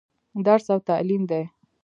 درس او تعليم دى.